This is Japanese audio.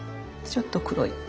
ちょっと黒い。